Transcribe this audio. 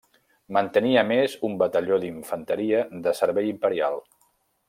Mantenia a més un batalló d'infanteria de servei imperial.